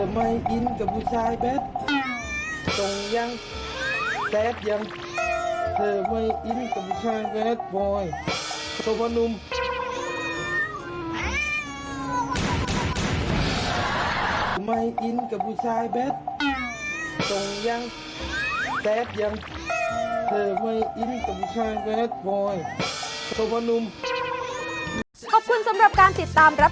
ไม่อินกับผู้ชายแบบ